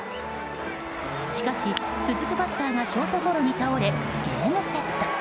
しかし続くバッターがショートゴロに倒れゲームセット。